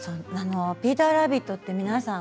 ピーターラビットって皆さん